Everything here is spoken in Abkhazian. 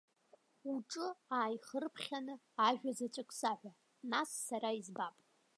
Уҿы ааихырԥхьаны ажәа заҵәык саҳәа, нас сара избап!